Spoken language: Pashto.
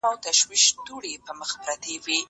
زه اجازه لرم چي سبزېجات وچوم!!